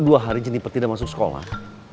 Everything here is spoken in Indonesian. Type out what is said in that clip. dua hari jeniper tidak masuk sekolah